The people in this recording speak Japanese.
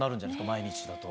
毎日だと。